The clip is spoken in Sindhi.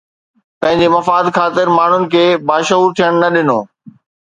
پنهنجي مفاد خاطر ماڻهن کي باشعور ٿيڻ نه ڏنو